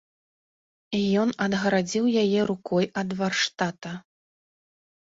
Ён адгарадзіў яе рукой ад варштата.